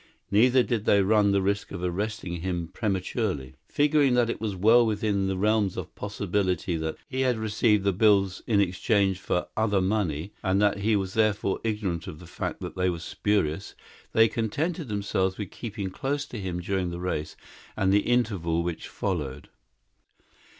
Neither did they run the risk of arresting him prematurely. Figuring that it was well within the realms of possibility that he had received the bills in exchange for other money, and that he was therefore ignorant of the fact that they were spurious, they contented themselves with keeping close to him during the race and the interval which followed.